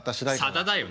さだだよ。